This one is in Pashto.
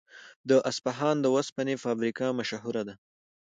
د اصفهان د وسپنې فابریکه مشهوره ده.